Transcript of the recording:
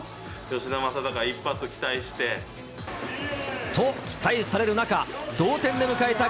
吉田正尚、一発期待して。と、期待される中、同点で迎えた